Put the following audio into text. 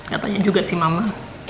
katanya juga sih mama